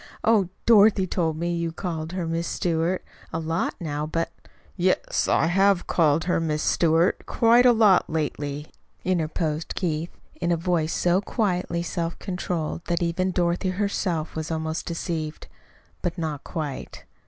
Oh, Dorothy told me you called her 'Miss Stewart' a lot now; but " "Yes, I have called her 'Miss Stewart' quite a lot lately," interposed Keith, in a voice so quietly self controlled that even Dorothy herself was almost deceived. But not quite.